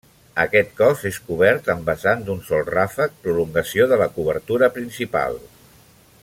Aquest cos és cobert amb vessant d'un sol ràfec, prolongació de la cobertura principal.